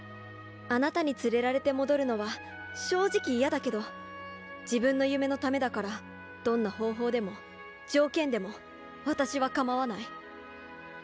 あなたに連れられて戻るのは正直嫌だけど自分の夢のためだからどんな方法でも条件でも私はかまわない。